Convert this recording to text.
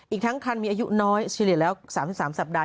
อีกทั้งครั้งมีอายุน้อยชะเกียรติแล้ว๓๓สัปดาห์